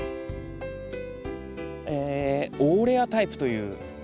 えオーレアタイプという。